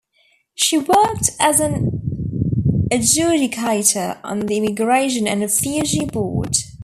She worked as an adjudicator on the Immigration and Refugee Board.